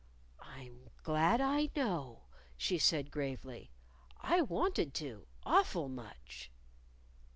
"I'm glad I know," she said gravely. "I wanted to, awful much."